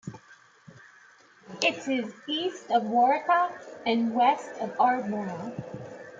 It is east of Waurika and west of Ardmore.